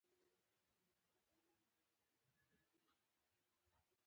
له احساساتي زیرکتیا سره تړاو لري.